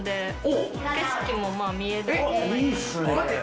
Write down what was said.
いいっすね。